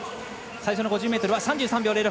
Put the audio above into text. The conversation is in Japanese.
最初の５０ｍ、３３秒２６。